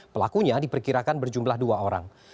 pelakunya diperkirakan berjumlah dua orang